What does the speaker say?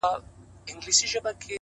نیک عمل تر خبرو ډېر اغېز لري!.